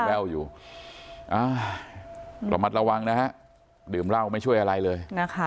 อาประมาทระวังนะครับดื่มเหล้าไม่ช่วยอะไรเลย